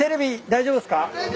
大丈夫です。